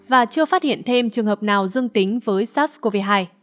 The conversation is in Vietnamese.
và chưa phát hiện thêm trường hợp nào dương tính với sars cov hai